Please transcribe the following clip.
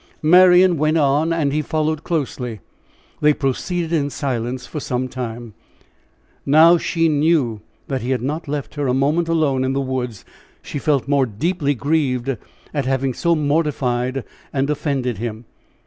Marian went on, and he followed closely. They proceeded in silence for some time. Now that she knew that he had not left her a moment alone in the woods, she felt more deeply grieved at having so mortified and offended him.